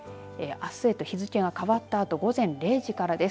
あすへと日付が変わったあと午前０時からです。